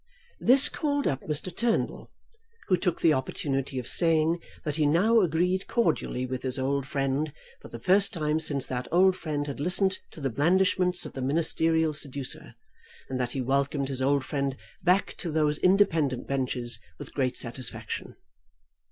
This called up Mr. Turnbull, who took the opportunity of saying that he now agreed cordially with his old friend for the first time since that old friend had listened to the blandishments of the ministerial seducer, and that he welcomed his old friend back to those independent benches with great satisfaction.